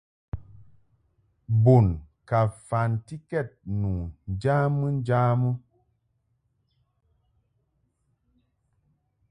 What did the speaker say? Bun ka mfantikɛd nu njamɨ njamɨ.